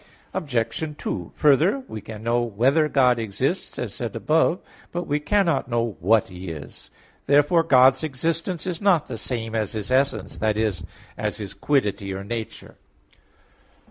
Obj. 2: Further, we can know whether God exists as said above (Q. 2, A. 2); but we cannot know what He is. Therefore God's existence is not the same as His essence that is, as His quiddity or nature.